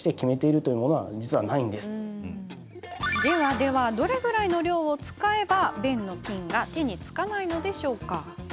では、どれぐらいの量を使えば便の菌が手につかないの？